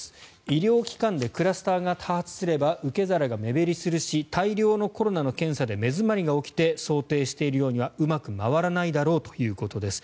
医療機関でクラスターが多発すれば受け皿が目減りするし大量のコロナの検査で目詰まりが起きて想定しているようにはうまく回らないだろうということです。